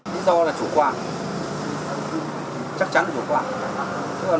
lý do là chủ quan chắc chắn là chủ quan